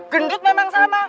gendut memang sama